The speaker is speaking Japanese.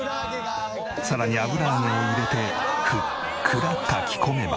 さらに油揚げを入れてふっくら炊き込めば。